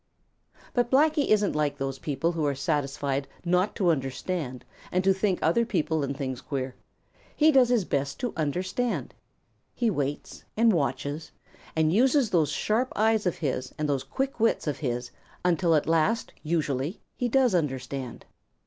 But Blacky isn't like those people who are satisfied not to understand and to think other people and things queer. He does his best to understand. He waits and watches and uses those sharp eyes of his and those quick wits of his until at last usually he does understand.